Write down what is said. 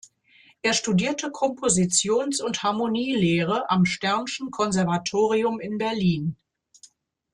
Er studierte Kompositions- und Harmonielehre am Stern’schen Konservatorium in Berlin.